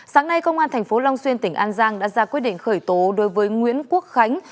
sáng nay công an tp long xuyên tỉnh an giang đã ra quyết định khởi tố đối với nguyễn quốc khánh